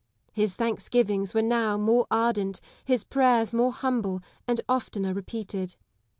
His thanksgivings were now more ardent, his pi'ayers more humble, and oftener repeated.